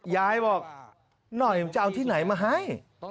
ยายบอกหน่อยจะเอาที่ไหนมาให้